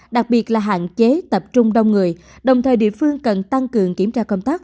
đặc biệt là hạn chế tập trung đông người đồng thời địa phương cần tăng cường kiểm tra công tác